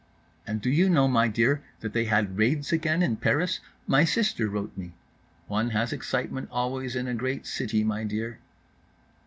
"And do you know, my dear, that they had raids again in Paris? My sister wrote me."—"One has excitement always in a great city, my dear."